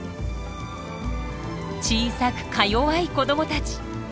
小さくかよわい子どもたち。